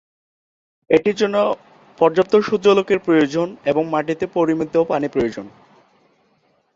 এটির জন্য পর্যাপ্ত সূর্যালোকের প্রয়োজন এবং মাটিতে পরিমিত পানি প্রয়োজন।